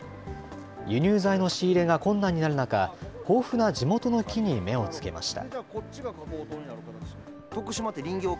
輸入材の仕入れが困難になる中、豊富な地元の木に目をつけました。